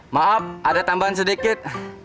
maaf ada tambahan sedikit